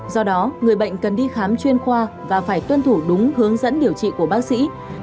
do đó người bệnh cần đi khám chuyên khoa và phải tuân thủ đúng hướng dẫn điều trị của bác sĩ